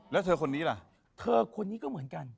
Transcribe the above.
แล้วเธอคนนี้ล่ะเธอคนนี้ก็เหมือนกัน